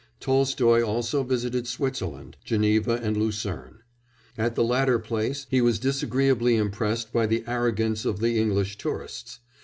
Tolstoy also visited Switzerland Geneva and Lucerne. At the latter place he was disagreeably impressed by the arrogance of the English tourists.